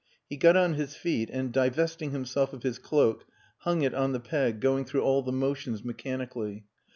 He got on his feet, and divesting himself of his cloak hung it on the peg, going through all the motions mechanically.